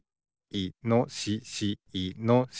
いのしし。